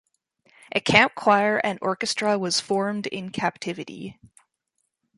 A camp choir and orchestra was formed in captivity.